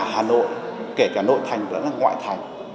hà nội kể cả nội thành vẫn là ngoại thành